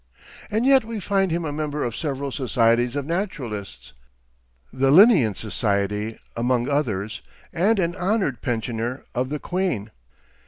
And yet we find him a member of several societies of naturalists, the Linnæan Society among others, and an honored pensioner of the Queen.